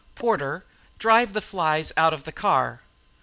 "Porter, drive the flies out of the car."